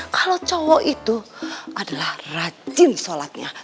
kalau cowok itu adalah rajin sholatnya